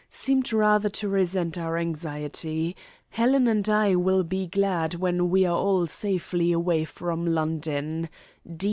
Seemed rather to resent our anxiety. Helen and I will be glad when we are all safely away from London.